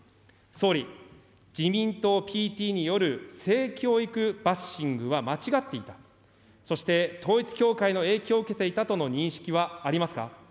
総理、自民党ＰＴによる性教育バッシングは間違っていた、そして、統一教会の影響を受けていたとの認識はありますか。